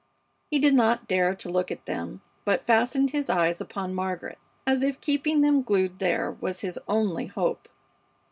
He did not dare to look at them, but fastened his eyes upon Margaret, as if keeping them glued there was his only hope.